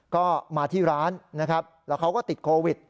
ก็มาที่ร้านนะครับแล้วเขาก็ติดโควิด